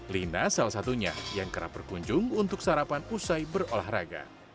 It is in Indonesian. lina salah satunya yang kerap berkunjung untuk sarapan usai berolahraga